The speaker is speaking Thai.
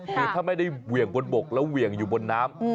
คือถ้าไม่ได้เหวี่ยงบนบกแล้วเหวี่ยงอยู่บนน้ำ